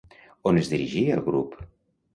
On es dirigia el grup?